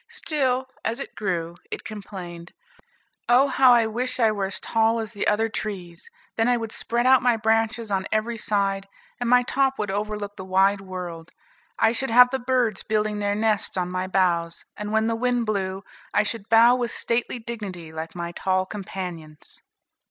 Still, as it grew, it complained, "Oh! how I wish I were as tall as the other trees, then I would spread out my branches on every side, and my top would over look the wide world. I should have the birds building their nests on my boughs, and when the wind blew, I should bow with stately dignity like my tall companions."